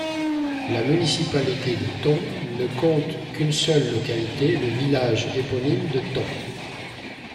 La municipalité de Tkon ne compte qu'une seule localité, le village éponyme de Tkon.